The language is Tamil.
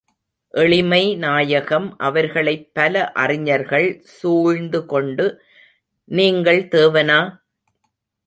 எளிமை நாயகம் அவர்களைப் பல அறிஞர்கள் சூழ்ந்து கொண்டு, நீங்கள் தேவனா?